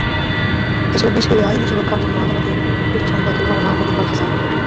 এসব বিষয়ে আইনি সুরক্ষার জন্য আদালতে পিটিশন দাখিল করেন আহমেদ ইকবাল হাসান।